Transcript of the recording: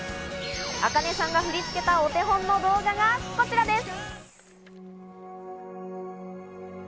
ａｋａｎｅさんが振り付けたお手本の動画がこちらです。